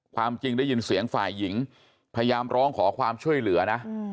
ความจริงได้ยินเสียงฝ่ายหญิงพยายามร้องขอความช่วยเหลือนะ